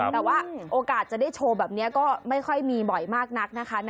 แต่ว่าโอกาสจะได้โชว์แบบนี้ก็ไม่ค่อยมีบ่อยมากนักนะคะ